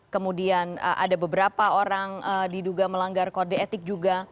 kemudian ada beberapa orang diduga melanggar kode etik juga